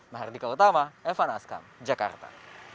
mahardika utama evan askam jakarta